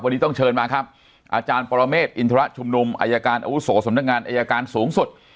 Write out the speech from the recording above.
วันนี้ต้องเชิญมาครับอาจารย์ปรเมฆอินทรชุมนุมอายการอาวุโสสำนักงานอายการสูงสุด